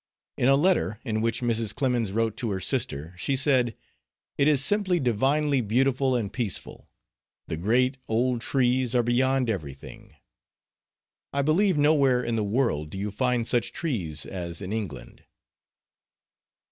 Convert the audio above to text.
In a letter in which Mrs. Clemens wrote to her sister she said: "It is simply divinely beautiful and peaceful; the great, old trees are beyond everything. I believe nowhere in the world do you find such trees as in England."